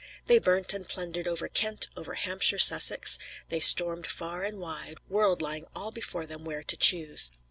They burnt and plundered over Kent, over Hampshire, Sussex; they stormed far and wide; world lying all before them where to choose.